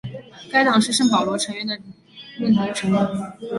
该党是圣保罗论坛的成员。